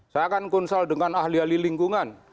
saya akan konsol dengan ahli ahli lingkungan